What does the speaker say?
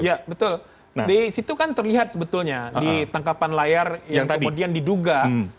ya betul di situ kan terlihat sebetulnya di tangkapan layar yang kemudian diduga